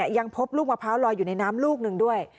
ยังพบลูกมะพร้าวลอยอยู่ในน้ำลูกหนึ่งด้วย